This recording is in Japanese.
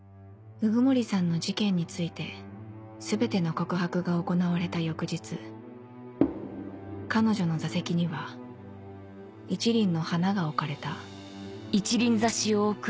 鵜久森さんの事件について全ての告白が行われた翌日彼女の座席には一輪の花が置かれた